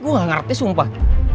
gue gak ngarepnya sumpah